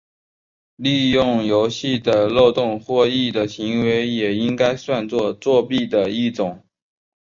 利用游戏的漏洞获益的行为也应该算作作弊的一种。